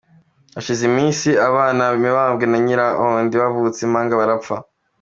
Hashize iminsi, abana ba Mibambwe na Nyirahondi bavutse impanga barapfa.